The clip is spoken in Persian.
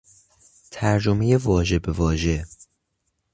ترجمهی واژه به واژه